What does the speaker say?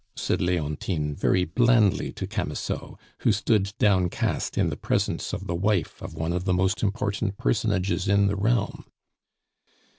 said Leontine very blandly to Camusot, who stood downcast in the presence of the wife of one of the most important personages in the realm.